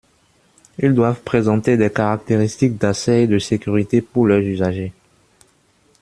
Ils doivent présenter des caractéristiques d’accès et de sécurité pour leurs usagers.